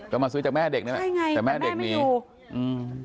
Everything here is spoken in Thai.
ก็มาซื้อจากแม่เด็กเนี่ยใช่ไงแต่แม่เด็กไม่อยู่